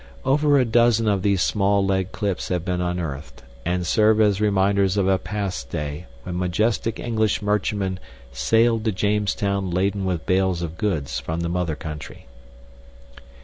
Over a dozen of these small lead clips have been unearthed, and serve as reminders of a past day when majestic English merchantmen sailed to Jamestown laden with bales of goods from the mother country.